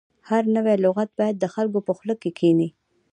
هر نوی لغت باید د خلکو په خوله کې کښیني.